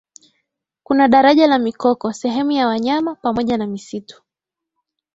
Kuna daraja la Mikoko sehemu ya wanyama pamoja na msitu